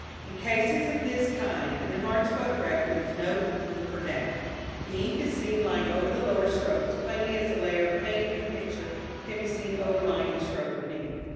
In cases of this kind an enlarged photograph leaves no room for doubt. The ink is seen lying over the lower stroke as plainly as a layer of paint in a picture can be seen overlying the stroke beneath.